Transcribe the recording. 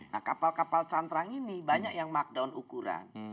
nah kapal kapal cantrang ini banyak yang markdown ukuran